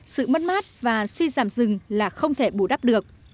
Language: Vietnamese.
sự mất mát và suy giảm rừng là không thể bù đắp được